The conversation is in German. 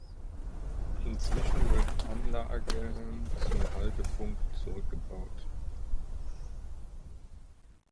Inzwischen wurden die Anlagen zum Haltepunkt zurückgebaut.